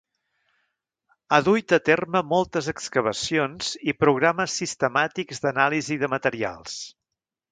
Ha duit a terme moltes excavacions i programes sistemàtics d'anàlisi de materials.